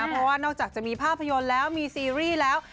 เพราะว่านอกจากจะมีภาพยนตร์แล้วมีซีรีส์แล้ว